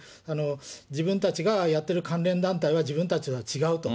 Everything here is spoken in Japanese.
自分たちがやってる関連団体は自分たちは違うと。